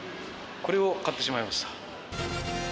これを買ってしまいました。